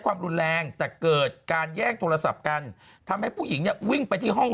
ความรุนแรงแต่เกิดการแย่งโทรศัพท์กันทำให้ผู้หญิงเนี่ยวิ่งไปที่ห้อง